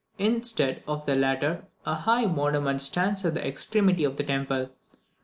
Instead of the latter, a high monument stands at the extremity of the temple.